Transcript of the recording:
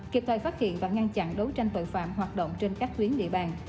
kịp thời phát hiện và ngăn chặn đấu tranh tội phạm hoạt động trên các tuyến địa bàn